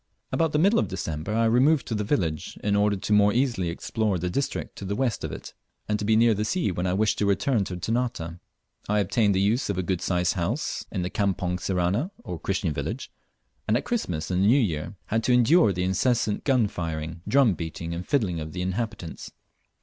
About the middle of December I removed to the village, in order more easily to explore the district to the west of it, and to be near the sea when I wished to return to Ternate. I obtained the use of a good sized house in the Campong Sirani (or Christian village), and at Christmas and the New Year had to endure the incessant gun firing, drum beating, and fiddling of the inhabitants.